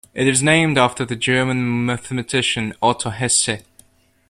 It is named after the German mathematician Otto Hesse.